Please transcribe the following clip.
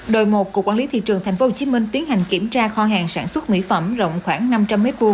đội một của quản lý thị trường tp hcm tiến hành kiểm tra kho hàng sản xuất mỹ phẩm rộng khoảng năm trăm linh m hai